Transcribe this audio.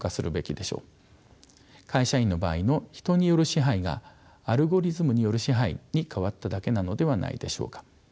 会社員の場合の人による支配がアルゴリズムによる支配に変わっただけなのではないでしょうか。